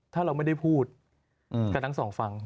ถ้าเราไม่ได้พูดกับทั้งสองฝั่ง